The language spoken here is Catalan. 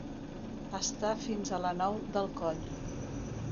Estar fins a la nou del coll.